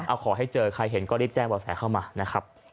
เอาขอให้เจอใครเห็นก็รีบแจ้งบ่อแสเข้ามานะครับ